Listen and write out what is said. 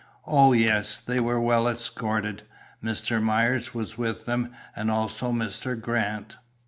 Oh, yes, they were well escorted; Mr. Myers was with them, and also Mr. Grant."